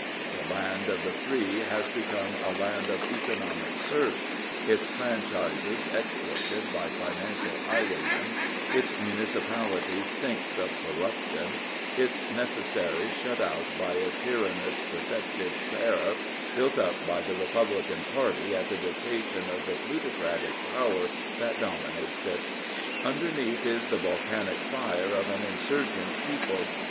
The land of the free has become a land of economic serfs, its franchises exploited by financial highwaymen, its municipalities sinks of corruption, its necessaries shut out by a tyrannous Protective tariff built up by the Republican Party at the dictation of the plutocratic power that dominates it. Underneath is the volcanic fire of an insurgent people.